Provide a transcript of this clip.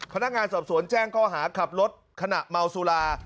พนักงานสอบสวนแจ้งข้อหาขับรถขณะเมาสุรา